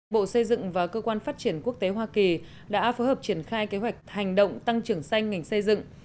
bộ xây dựng và cơ quan phát triển quốc tế hoa kỳ đã phối hợp triển khai kế hoạch hành động tăng trưởng xanh ngành xây dựng